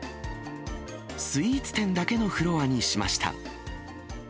スイーツ店だけのフロアにしました。